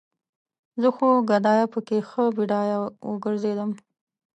زه خو ګدايه پکې ښه بډايه وګرځېدم